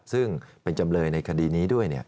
ซึ่งเป็นจำเลยในคดีนี้ด้วย